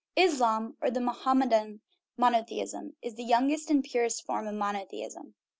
Islam, or the Mohammedan monotheism, is the youngest and purest form of monotheism.